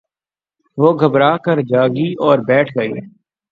وہ گھبرا کر جاگی اور بیٹھ گئی